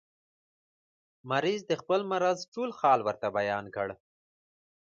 مریض د خپل مرض ټول حال ورته بیان کړ.